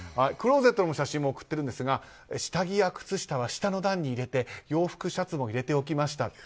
クローゼットの写真も送っているんですが下着や靴下は下の段に入れて洋服、シャツも入れておきました。